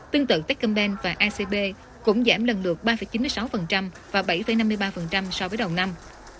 tương tự techcombank và acb cũng giảm lần lượt ba chín mươi sáu và bảy năm mươi ba so với đầu năm